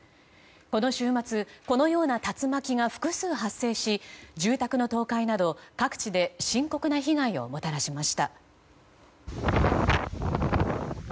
この週末このような竜巻が複数発生し住宅の倒壊など各地で深刻な被害をもたらしました。